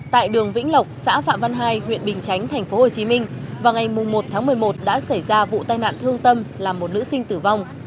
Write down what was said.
tại đường vĩnh lộc xã phạm văn hai huyện bình chánh tp hcm vào ngày một tháng một mươi một đã xảy ra vụ tai nạn thương tâm làm một nữ sinh tử vong